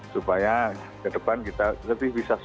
supaya ke depan kita lebih bisa sukses